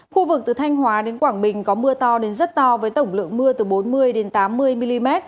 khu vực từ thanh hóa đến quảng bình có mưa to đến rất to với tổng lượng mưa từ bốn mươi tám mươi mm